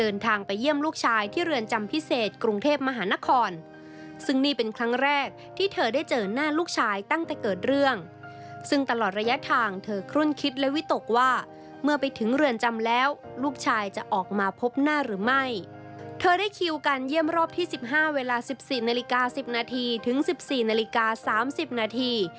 ๔นาฬิกา๑๐นาทีถึง๑๔นาฬิกา๓๐นาที